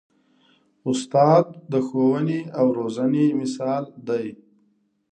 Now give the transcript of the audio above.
استاد د ښوونې او روزنې مثال دی.